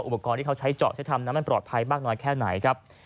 อุปกรณ์ที่เขาใช้เจาะใช้ทำนั้นมันปลอดภัยมากน้อยแค่ไหนครับ